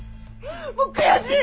もう悔しい！